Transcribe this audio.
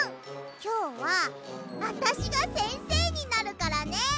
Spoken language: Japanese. きょうはあたしがせんせいになるからね。